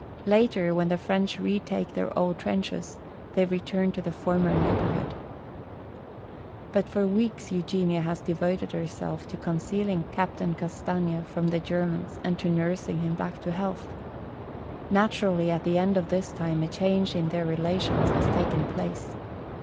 Later, when the French retake their old trenches, they return to the former neighborhood. But for weeks Eugenia has devoted herself to concealing Captain Castaigne from the Germans and to nursing him back to health. Naturally at the end of this time a change in their relations has taken place.